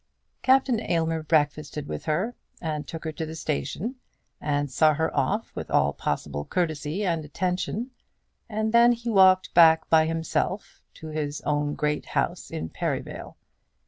Captain Aylmer breakfasted with her, and took her to the station, and saw her off with all possible courtesy and attention, and then he walked back by himself to his own great house in Perivale.